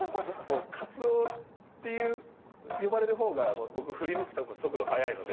カツオっていう、呼ばれるほうが、僕、振り向く速度が速いんで。